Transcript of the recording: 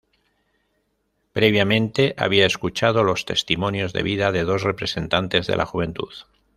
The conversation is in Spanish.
Previamente, había escuchado los testimonios de vida de dos representantes de la juventud.